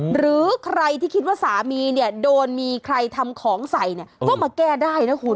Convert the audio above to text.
หรือใครที่คิดว่าสามีเนี่ยโดนมีใครทำของใส่เนี่ยก็มาแก้ได้นะคุณ